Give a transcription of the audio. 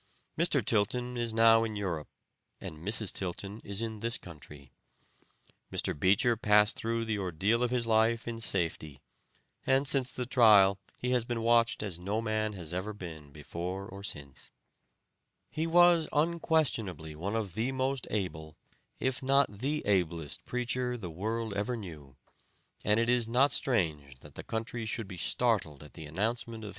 Mr. Tilton is now in Europe, and Mrs. Tilton is in this country. Mr. Beecher passed through the ordeal of his life in safety, and since the trial he has been watched as no man ever has been before or since. He was unquestionably one of the most able, if not the ablest, preacher the world ever knew, and it is not strange that the country should be startled at the announcement of his sudden death on march 7th, 1887, at his home in Brooklyn.